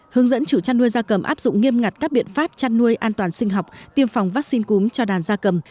hướng dẫn chủ chăn nuôi gia cầm áp dụng nghiêm ngặt các biện pháp chăn nuôi an toàn sinh học tiêm phòng vaccine cúm cho đàn gia cầm